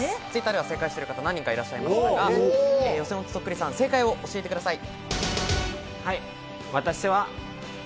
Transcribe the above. Ｔｗｉｔｔｅｒでは正解している方何人かいらっしゃいましたが、予選落ちそっくりさん、正解を教えてください。